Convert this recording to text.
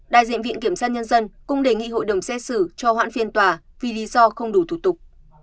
đại diện viện kiểm sát nhân dân cũng đề nghị hội đồng xét xử cho hoãn phiên tòa vì lý do không đủ thủ tục